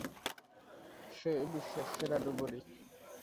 সে বিশ্বের সেরা ডুবুরি।